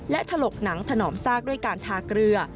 และถลกหนังถนอมซากด้วยการทาเกลือ